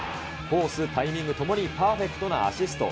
コース、タイミングともにパーフェクトなアシスト。